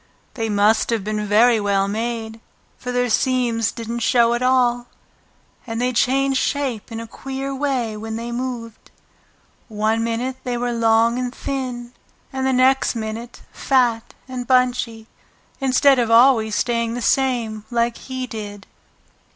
They must have been very well made, for their seams didn't show at all, and they changed shape in a queer way when they moved; one minute they were long and thin and the next minute fat and bunchy, instead of always staying the same like he did.